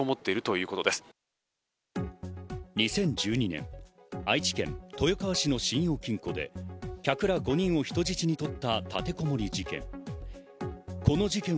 ２０１２年、愛知県豊川市の信用金庫で客ら５人を人質に取った立てこもり事件。